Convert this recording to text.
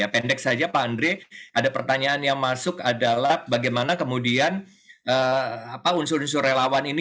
pendek saja pak andre ada pertanyaan yang masuk adalah bagaimana kemudian unsur unsur relawan ini